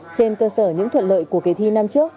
trên cơ sở những thuận lợi của kỳ thi năm trước